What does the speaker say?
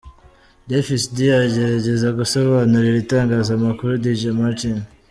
Davis D agerageza gusobanurira itangazamakuru Dj Martin.